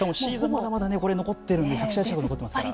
まだまだね残っているので１００試合近く残ってますから。